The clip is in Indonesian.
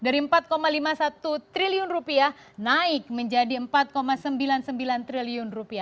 dari rp empat lima puluh satu triliun naik menjadi rp empat sembilan puluh sembilan triliun